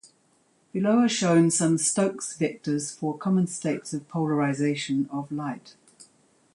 Below are shown some Stokes vectors for common states of polarization of light.